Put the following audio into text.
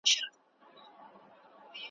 له ماښامه تر سهاره یې غپله ,